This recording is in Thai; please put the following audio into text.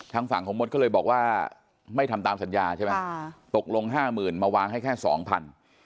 ทางฝั่งของมดก็เลยบอกว่าไม่ทำตามสัญญาใช่ไหมตกลง๕๐๐๐๐มาวางให้แค่๒๐๐๐บาท